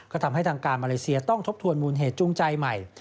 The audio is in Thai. ก็ทำให้ทางการมาเลเซียต้องทบทวนมูลเหตุจูงใจใหม่